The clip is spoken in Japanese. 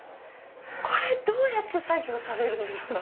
これどうやって作業されるんですか？